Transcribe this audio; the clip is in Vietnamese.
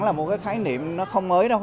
là một cái khái niệm nó không mới đâu